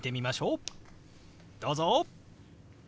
どうぞ！